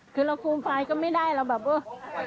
คือเราโคมไฟล์ก็ไม่ได้เราแบบเออ